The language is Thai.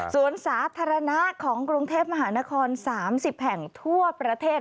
ส่วนสาธารณะของกรุงเทพมหานคร๓๐แห่งทั่วประเทศ